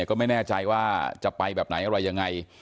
ก็ไม่แน่ใจว่าจะไปแบบไหนอะไรยังไง